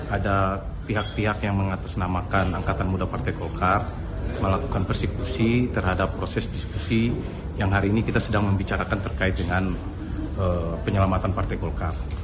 ada pihak pihak yang mengatasnamakan angkatan muda partai golkar melakukan persekusi terhadap proses diskusi yang hari ini kita sedang membicarakan terkait dengan penyelamatan partai golkar